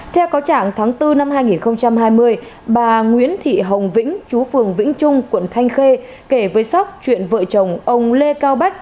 theo cáo trạng tháng bốn năm hai nghìn hai mươi bà nguyễn thị hồng vĩnh chú phường vĩnh trung quận thanh khê kể với sóc chuyện vợ chồng ông lê cao bách